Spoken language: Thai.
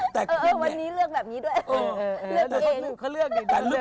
แต่คุณแม่เออวันนี้เลือกแบบนี้ด้วยเลือกเองค่ะเลือกเอง